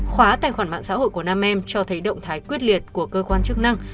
khóa tài khoản mạng xã hội của nam em cho thấy động thái quyết liệt của cơ quan chức năng